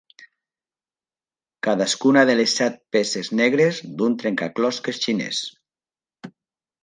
Cadascuna de les set peces negres d'un trencaclosques xinès.